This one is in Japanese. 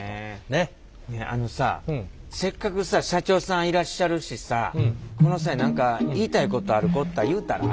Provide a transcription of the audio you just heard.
ねえあのさせっかくさ社長さんいらっしゃるしさこの際何か言いたいことある子おったら言うたら？